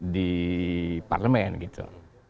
di parlemen gitu